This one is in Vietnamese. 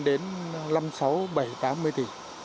đến năm sáu bảy tám một mươi tỷ